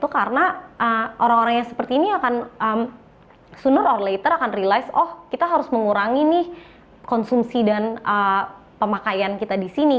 karena orang orang yang seperti ini akan mengerti bahwa kita harus mengurangi konsumsi dan pemakaian kita di sini